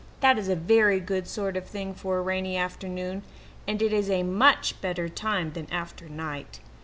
That is a very good sort of thing for a rainy afternoon, and it is a much better time than after night.